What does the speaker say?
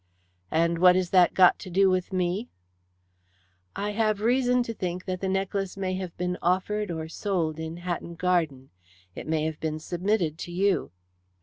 "And what has that got to do with me?" "I have reason to think that the necklace may have been offered or sold in Hatton Garden. It may have been submitted to you."